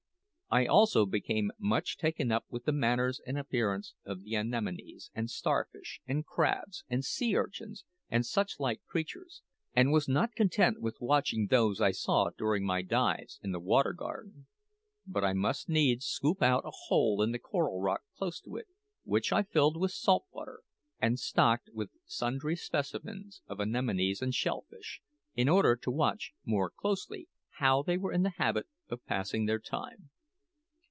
I also became much taken up with the manners and appearance of the anemones, and starfish, and crabs, and sea urchins, and such like creatures; and was not content with watching those I saw during my dives in the Water Garden, but I must needs scoop out a hole in the coral rock close to it, which I filled with salt water, and stocked with sundry specimens of anemones and shell fish, in order to watch more closely how they were in the habit of passing their time.